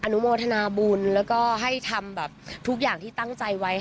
นุโมทนาบุญแล้วก็ให้ทำแบบทุกอย่างที่ตั้งใจไว้